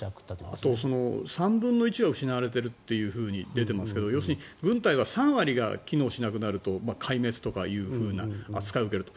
あと、３分の１が失われていると出ていますが要するに軍隊は３割が機能しなくなると壊滅という扱いを受けると。